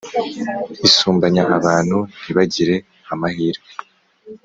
Isumbanya abantu, ntibagire amahirwe